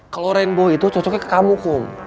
kalau rainbow itu cocoknya ke kamu kum